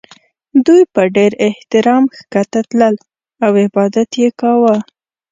دوی په ډېر احترام ښکته تلل او عبادت یې کاوه.